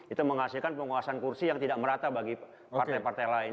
itu menghasilkan penguasaan kursi yang tidak merata bagi partai partai lain